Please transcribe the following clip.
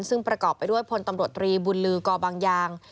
ซึ่งประกอบไปด้วยพลตำรวจตรีบุญลือกอบางยาง